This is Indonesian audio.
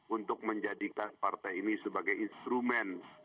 untuk menjadikan partai ini sebagai instrumen